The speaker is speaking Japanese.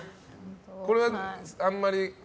これはあんまり。